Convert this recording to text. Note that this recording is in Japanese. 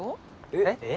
えっ？